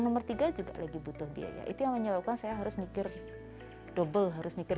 nomor tiga juga lagi butuh biaya itu yang menyebabkan saya harus mikir double harus mikir